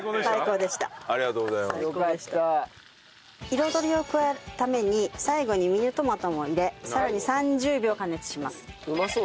彩りを加えるために最後にミニトマトも入れさらに３０秒加熱します。